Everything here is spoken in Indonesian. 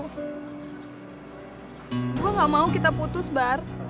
gue gak mau kita putus bar